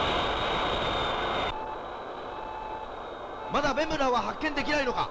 まだベムラーは発見できないのか。